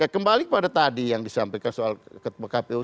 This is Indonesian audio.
kembali pada tadi yang disampaikan soal kpu